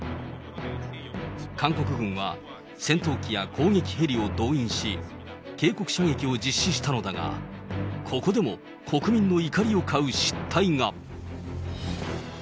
韓国軍は、戦闘機や攻撃ヘリを動員し、警告射撃を実施したのだが、ここでも、国民の怒りを買う失態が。